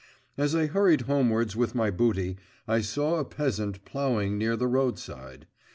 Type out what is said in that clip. As I hurried homewards with my booty, I saw a peasant ploughing near the roadside.